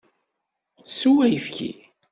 Sew ayefki!